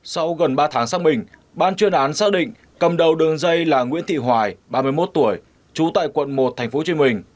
sau gần ba tháng xác bình ban chuyên án xác định cầm đầu đường dây là nguyễn thị hoài ba mươi một tuổi trú tại quận một tp hcm